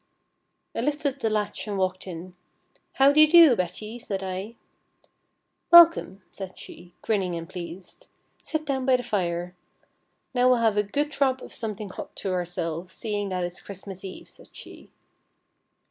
I lifted the latch and walked in. "How de do, Betty," said I. "Welcome," said she, grinning and pleased. "Sit down by the fire. Now we'll have a good drop of something hot to ourselves, seeing that it's Christmas Eve," said she.